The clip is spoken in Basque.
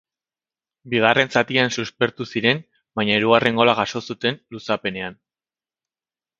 Bigarren zatian suspertu ziren, baina hirugarren gola jaso zuten luzapenean.